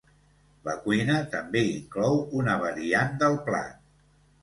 La cuina també inclou una variant del plat.